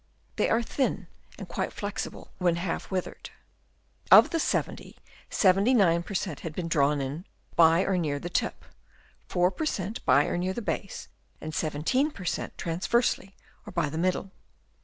They are thin and quite flexible when half withered. Of the 70, 79 per cent, had been drawn in by or near the tip ; 4 per cent, by or near the base ; and 17 per cent, trans versely or by the middle.